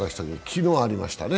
昨日、ありましたね。